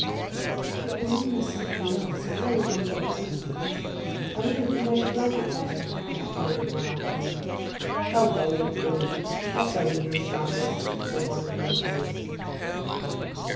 'If it were only somebody else, and I was one of the bridesmaids, I really think I should like it better!' she murmured one afternoon. 'Away with thee—that's only your shyness!' said one of the milkmaids.